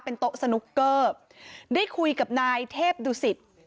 โต๊ะสนุกเกอร์ได้คุยกับนายเทพดุสิต